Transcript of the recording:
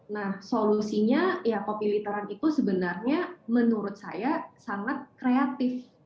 nah solusinya ya kopi literan itu sebenarnya menurut saya sangat kreatif